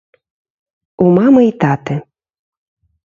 У мамы і таты.